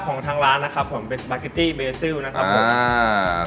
ของทางร้านนะครับผมเป็นสปาเกตตี้เบซิลนะครับผมอ่า